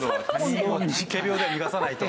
仮病では逃がさないと。